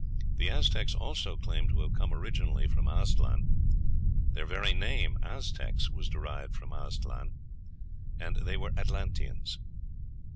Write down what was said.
The Aztecs also claimed to have come originally from Aztlan. (Ibid., p. 321.) Their very name, Aztecs, was derived from Aztlan. (Ibid., vol. ii., p. 125). They were Atlanteans.